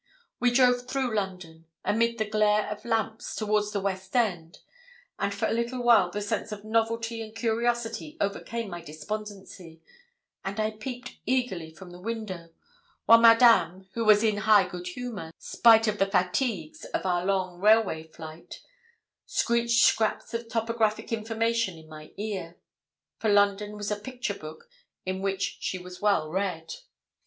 We drove through London, amid the glare of lamps, toward the West end, and for a little while the sense of novelty and curiosity overcame my despondency, and I peeped eagerly from the window; while Madame, who was in high good humour, spite of the fatigues of our long railway flight, screeched scraps of topographic information in my ear; for London was a picture book in which she was well read.